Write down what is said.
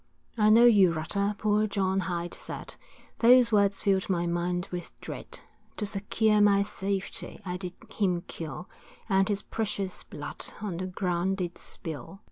I know you Rutter, poor John Hight said, Those words filled my mind with dread, To secure my safety, I did him kill, And his precious blood on the ground did spill.